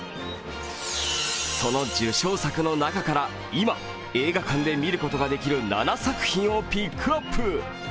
その受賞作の中から今映画館で見ることができる７作品をピックアップ。